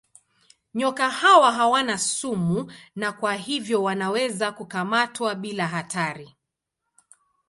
Nyoka hawa hawana sumu na kwa hivyo wanaweza kukamatwa bila hatari.